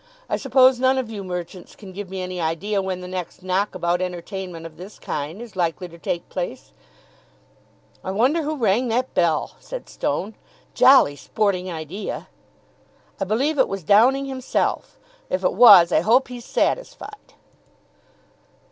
I suppose none of you merchants can give me any idea when the next knockabout entertainment of this kind is likely to take place?" "I wonder who rang that bell!" said Stone. "Jolly sporting idea." "I believe it was Downing himself. If it was, I hope he's satisfied."